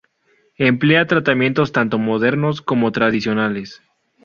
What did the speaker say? Emplea tratamientos tanto modernos como tradicionales.